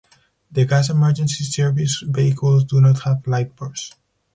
The gas emergency service vehicles do not have lightbars.